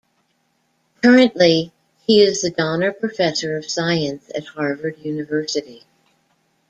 Currently, he is the Donner Professor of Science at Harvard University.